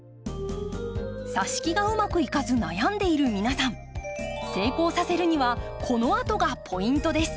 さし木がうまくいかず悩んでいる皆さん成功させるにはこのあとがポイントです。